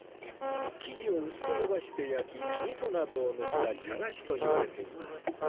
生地を薄く延ばして焼き味噌などを塗った茶菓子といわれています